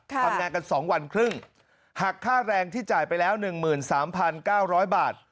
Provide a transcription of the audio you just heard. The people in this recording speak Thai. ทำงานกัน๒วันครึ่งหักค่าแรงที่จ่ายไปแล้ว๑๓๙๐๐บาท